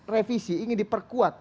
revisi ingin diperkuat